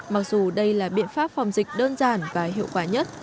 mặc dù đây là biện pháp phòng dịch đơn giản và hiệu quả nhất